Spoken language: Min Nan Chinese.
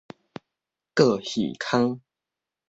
胳耳空